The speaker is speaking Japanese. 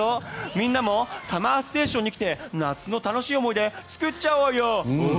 みんなもＳＵＭＭＥＲＳＴＡＴＩＯＮに来て、夏の楽しい思い出作っちゃおうよ！